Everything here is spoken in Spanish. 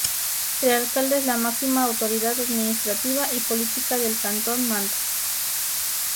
El Alcalde es la máxima autoridad administrativa y política del Cantón Manta.